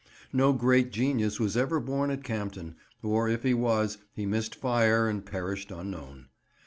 No great genius was ever born at Campden, or if he was, he missed fire and perished unknown.